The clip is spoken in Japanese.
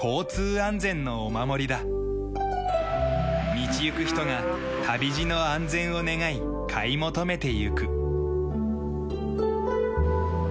道行く人が旅路の安全を願い買い求めていく。